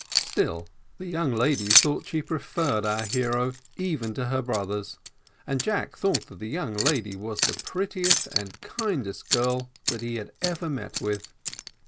Still, the young lady thought she preferred our hero even to her brothers, and Jack thought that the young lady was the prettiest and kindest girl that he had ever met with.